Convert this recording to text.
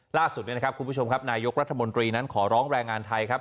ล่าสุดเนี่ยนะครับคุณผู้ชมครับนายกรัฐมนตรีนั้นขอร้องแรงงานไทยครับ